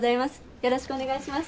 よろしくお願いします。